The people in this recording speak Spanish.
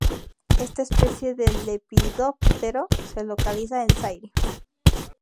Esta especie de lepidóptero se localiza en Zaire.